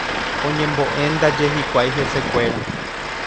Oñembo'éndaje hikuái hesekuéra.